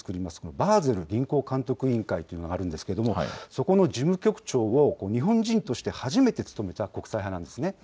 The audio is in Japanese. バーゼル銀行監督委員会というのがあるんですけれども、そこの事務局長を日本人として初めて務めた国際派なんですね。